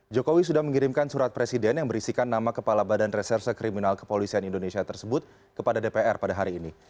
jokowi sudah mengirimkan surat presiden yang berisikan nama kepala badan reserse kriminal kepolisian indonesia tersebut kepada dpr pada hari ini